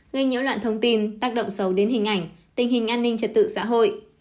gây nhiễu loạn thông tin tác động xấu đến hình ảnh tình hình an ninh trật tự xã hội